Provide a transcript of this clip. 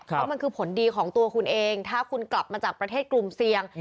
เพราะมันคือผลดีของตัวคุณเองถ้าคุณกลับมาจากประเทศกลุ่มเสี่ยง